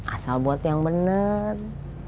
asal buat yang bener